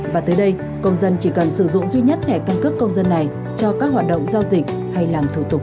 và tới đây công dân chỉ cần sử dụng duy nhất thẻ căn cước công dân này cho các hoạt động giao dịch hay làm thủ tục